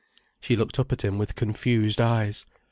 She looked up at him with confused eyes.